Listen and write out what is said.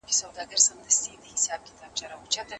مُلا او ډاکټر دواړو دي دامونه ورته ایښي